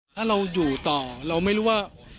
ถ้าเราอยู่ต่อเราไม่รู้ว่า